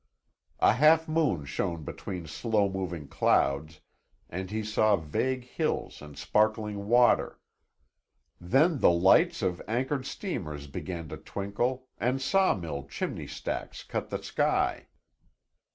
A half moon shone between slow moving clouds and he saw vague hills and sparkling water. Then the lights of anchored steamers began to twinkle and sawmill chimney stacks cut the sky.